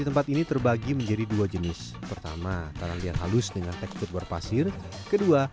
tempat ini terbagi menjadi dua jenis pertama tanah liat halus dengan tekstur pasir kedua